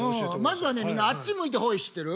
まずはみんなあっち向いてホイ知ってる？